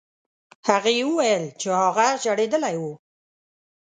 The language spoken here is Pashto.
هغې وویل چې هغه ژړېدلی و.